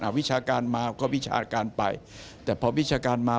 วิชาการมาก็วิชาการไปแต่พอวิชาการมา